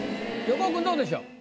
横尾君どうでしょう？